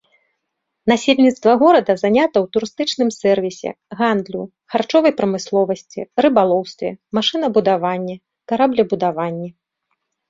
Насельніцтва горада занята ў турыстычным сэрвісе, гандлю, харчовай прамысловасці, рыбалоўстве, машынабудаванні, караблебудаванні.